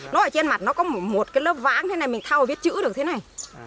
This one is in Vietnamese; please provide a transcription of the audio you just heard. nó ở trên mặt nó có một lớp váng thế này mình thao viết chữ được thế này